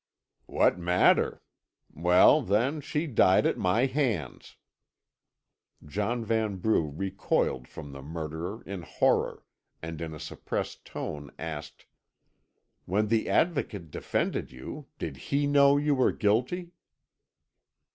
"What matter? Well, then, she died at my hands." John Vanbrugh recoiled from the murderer in horror, and in a suppressed tone asked: "When the Advocate defended you, did he know you were guilty?"